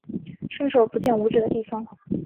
伸手不见五指的地方